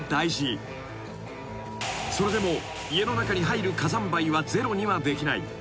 ［それでも家の中に入る火山灰はゼロにはできない］